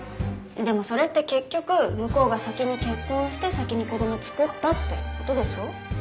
でもそれって結局向こうが先に結婚して先に子供作ったってことでしょ？